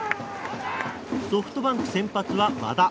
ソフトバンク先発は和田。